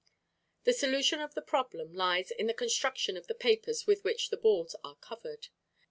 The solution of the problem lies in the construction of the papers with which the balls are covered.